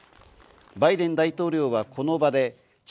バイデン大統領は、この場で地